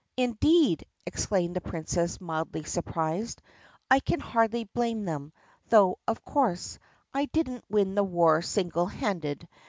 "Indeed!" exclaimed the Princess mildly surprised. "I can hardly blame them; though, of course, I didn't win the war single handed.